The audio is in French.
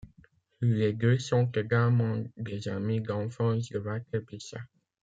Les deux sont également des amis d'enfance de Valter Birsa.